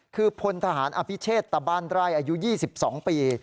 คือพลทหารอภิเชษตะบ้านไร่อายุ๒๒ปี